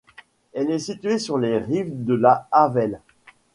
Elle est située sur les rives de la Havel.